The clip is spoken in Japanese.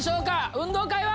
運動会は！